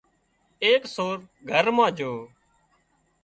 ايڪ سور گھر مان جھو